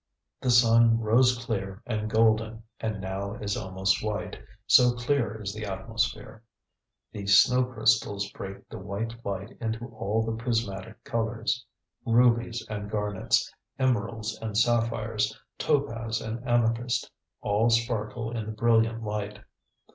The sun rose clear and golden and now is almost white, so clear is the atmosphere. The snow crystals break the white light into all the prismatic colors, rubies and garnets, emeralds and sapphires, topaz and amethyst, all sparkle in the brilliant light.